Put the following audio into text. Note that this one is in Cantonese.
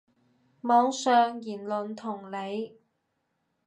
網上言論同理